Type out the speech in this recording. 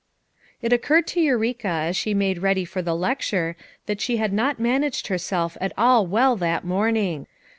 It occurred to Eureka as she made ready for the lecture that she had not managed herself at all well that morning.